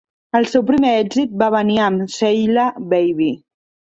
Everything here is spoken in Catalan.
El seu primer èxit va venir amb "Sheila Baby".